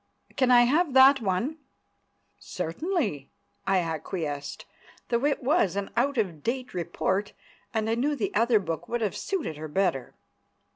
"Can I have that one?" "Certainly," I acquiesced, though it was an out of date report, and I knew the other book would have suited her better.